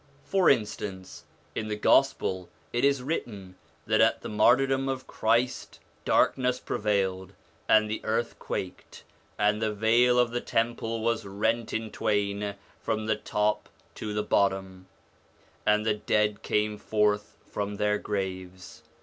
For instance, in the Gospel it is written that at the martyrdom of Christ darkness prevailed, and the earth quaked, and the veil of the Temple was rent in twain from the top to the bottom, and the dead came forth from their graves.